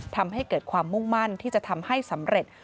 ทำให้เกิดความมุ่งมั่นที่จะทำให้สำเร็จ